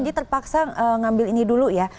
jadi terpaksa ngambil ini dulu ya